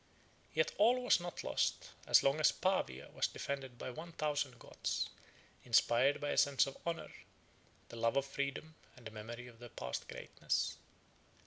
Yet all was not lost, as long as Pavia was defended by one thousand Goths, inspired by a sense of honor, the love of freedom, and the memory of their past greatness.